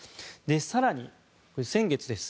更に、先月です。